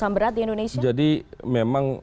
sangat berat di indonesia jadi memang